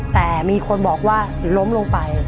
แต่มีคนบอกว่าล้มลงไป